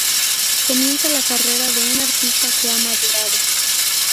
Comienza la carrera de un artista que ha madurado.